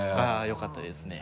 よかったです。